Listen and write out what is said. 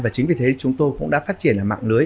chính vì thế chúng tôi cũng đã phát triển mạng lưới